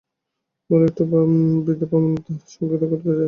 বলো একটি বৃদ্ধ ব্রাহ্মণ তাঁহার সঙ্গে দেখা করিতে চায়।